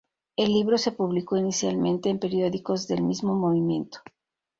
El libro se publicó inicialmente en periódicos del mismo movimiento.